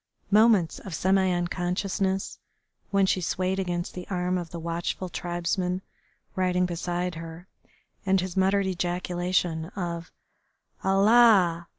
Moments of semi unconsciousness, when she swayed against the arm of the watchful tribesman riding beside her, and his muttered ejaculation of "Allah!